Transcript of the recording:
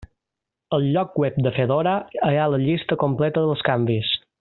Al lloc web de Fedora hi ha la llista completa dels canvis.